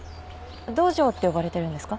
道場って呼ばれてるんですか？